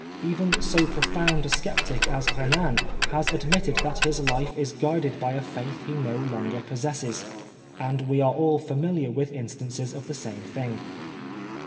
Even so profound a sceptic as R^nan has admitted that lus life is guided by a faith he no longer jjpossesses. And we are all fammar with instances of the same thing.